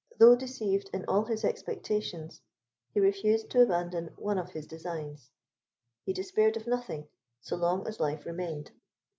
Though deceived in all his expectations, he refused to abandon one of his designs; he despaired of nothing, so long as life remained.